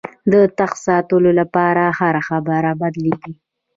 د تخت د ساتلو لپاره هره خبره بدلېږي.